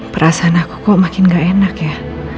perasaan aku kok makin gak enak ya